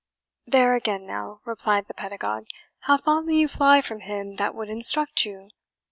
"There again now," replied the pedagogue, "how fondly you fly from him that would instruct you!